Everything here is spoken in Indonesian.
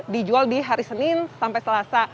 dijual di hari senin sampai selasa